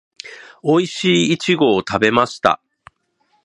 おいしいイチゴを食べました